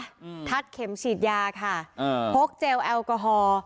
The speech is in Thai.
อืมทัดเข็มฉีดยาค่ะอ่าพกเจลแอลกอฮอล์